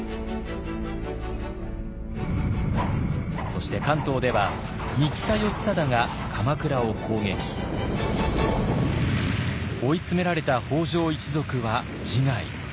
そして関東では新田義貞が鎌倉を攻撃。追い詰められた北条一族は自害。